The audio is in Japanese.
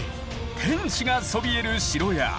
天守がそびえる城や。